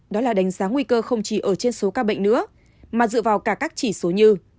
đó là đánh giá nguy cơ không chỉ ở trên số ca bệnh nữa mà dựa vào cả các chỉ số như